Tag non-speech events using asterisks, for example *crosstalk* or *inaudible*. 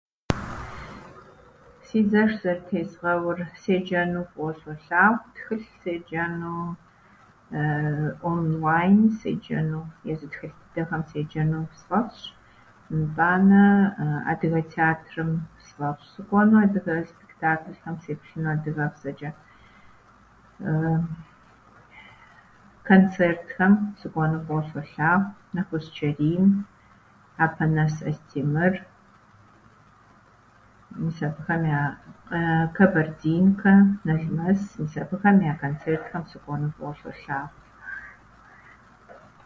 "Си зэш зэрытезгъэур - седжэну фӏыуэ солъагъу, тхылъ седжэну, *hesitation* онлайн седжэну, езы тхылъ дыдэхьэм седжэну сфӏэфӏщ. Итӏанэ *hesitation* адыгэ театрым сфӏэфӏщ сыкӏуэну, адыгэ спектакльхэм сеплъыну адыгэбзэчӏэ. *hesitation* Концертхэм сыкӏуэну фӏыуэ солъагъу: Нэхущ Чэрим, Апанас Астемыр, мис абыхэм я- ""Кабардинкэ"", ""Налмэс"". Мис абыхэм я концертхэм сыкӏуэну фӏыуэ солъагъу."